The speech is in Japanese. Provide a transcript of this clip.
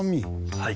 はい。